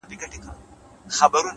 خپل عادتونه په دقت جوړ کړئ’